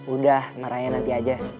udah marah ya nanti aja